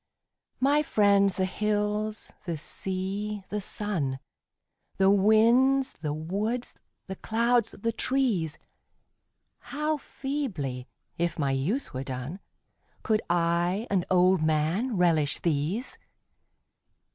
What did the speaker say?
My friends the hills, the sea, the sun, The winds, the woods, the clouds, the trees How feebly, if my youth were done, Could I, an old man, relish these